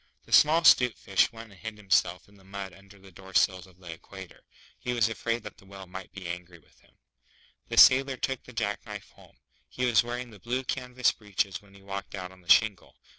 The small 'Stute Fish went and hid himself in the mud under the Door sills of the Equator. He was afraid that the Whale might be angry with him. The Sailor took the jack knife home. He was wearing the blue canvas breeches when he walked out on the shingle.